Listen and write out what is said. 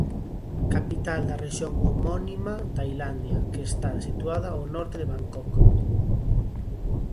Capital da rexión homónima, Tailandia, que está situada ao norte de Bangkok.